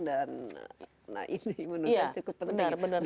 dan ini menurut saya cukup penting